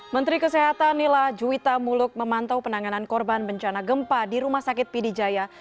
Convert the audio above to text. menteri kesehatan nila juwita muluk memantau penanganan korban bencana gempa di rumah sakit pidijaya